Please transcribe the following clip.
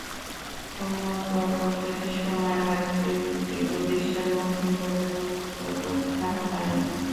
পুনঃ দরপত্রের সময় বাড়াতে দুটি প্রতিষ্ঠান মৌখিকভাবে অনুরোধ করেও সাড়া পায়নি।